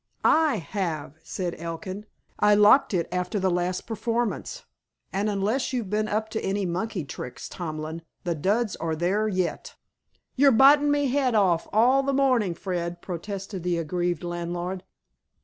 "I have," said Elkin. "I locked it after the last performance, and, unless you've been up to any monkey tricks, Tomlin, the duds are there yet." "You're bitin' me 'ead off all the mornin', Fred," protested the aggrieved landlord.